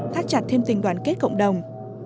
thắt chặt thêm tình đoàn kết cộng đồng